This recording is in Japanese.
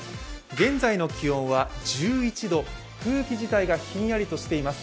現在の気温は１１度、空気自体がひんやりしています。